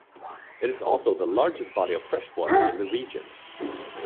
It is also the largest body of fresh water in the region.